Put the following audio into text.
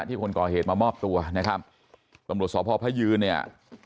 คนก่อเหตุมามอบตัวนะครับตำรวจสพพระยืนเนี่ย